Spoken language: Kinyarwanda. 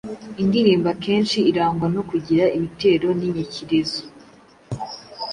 Indirimbo akenshi irangwa no kugira ibitero n’inyikirizo.